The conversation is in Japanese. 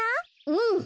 うん。